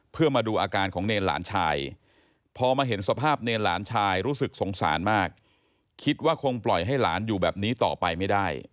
เพื่อมาดูอาการของเนรหลานชายพอมาเห็นสภาพเนรหลานชายรู้สึกสงสารมากคิดว่าคงปล่อยให้หลานอยู่แบบนี้ต่อไปไม่ได้